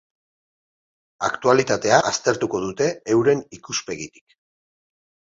Aktualitatea aztertuko dute euren ikuspegitik.